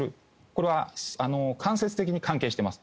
これは間接的に関係しています。